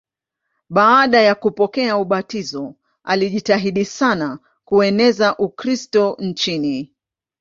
Baada ya kupokea ubatizo alijitahidi sana kueneza Ukristo nchini.